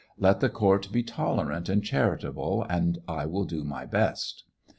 Let the court be tolerant and charitable, and I will do my best.